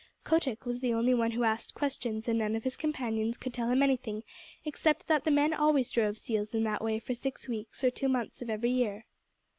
Kotick was the only one who asked questions, and none of his companions could tell him anything, except that the men always drove seals in that way for six weeks or two months of every year.